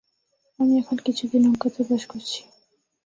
আমি এখন কিছুদিন অজ্ঞাতবাস করছি।